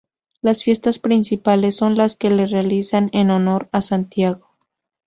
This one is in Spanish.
Las fiestas principales son las que se realizan en honor A Santiago.